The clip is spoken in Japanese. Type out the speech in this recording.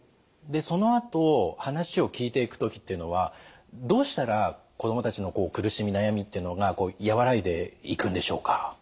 そのあと話を聞いていく時っていうのはどうしたら子どもたちの苦しみ悩みっていうのが和らいでいくんでしょうか？